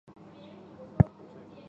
定都于亳。